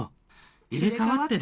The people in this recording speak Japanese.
「入れ替わってる！？」